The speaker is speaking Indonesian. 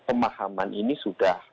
pemahaman ini sudah